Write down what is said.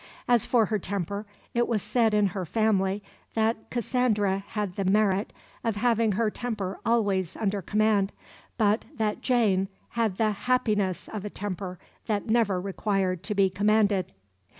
As for her temper, it was said in her family that "Cassandra had the merit of having her temper always under command, but that Jane had the happiness of a temper that never required to be commanded."